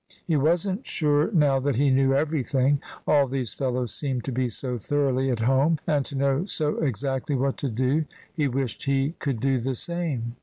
He wasn't sure now that he knew everything. All these fellows seemed to be so thoroughly at home, and to know so exactly what to do; he wished he could do the same.